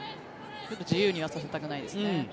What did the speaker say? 自由にはさせたくないですね。